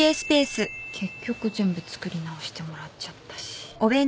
結局全部作り直してもらっちゃったし。